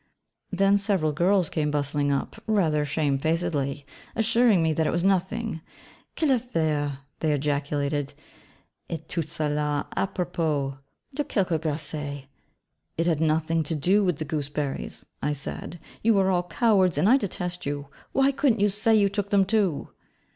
Then several girls came bustling up, rather shamefacedly, assuring me that it was nothing: 'Quelle affaire,' they ejaculated. 'Et tout cela à propos de quelques groseilles!' 'It has nothing to do with the gooseberries,' I said; 'you are all cowards, and I detest you; why couldn't you say you took them too?'